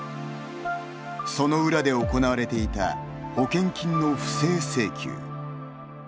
その裏で行われていた保険金の不正請求。